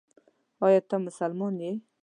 ایا ته مسلمان یې ؟